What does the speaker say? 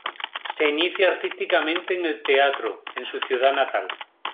Se inicia artísticamente en el Teatro, en su ciudad natal.